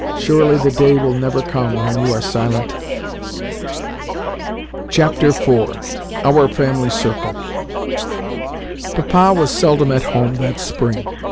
Surely the day will never come when you are silent? IV. OUR FAMILY CIRCLE PAPA was seldom at home that spring.